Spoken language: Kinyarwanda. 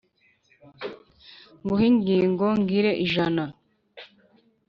Nguhe ingingo ngire ijana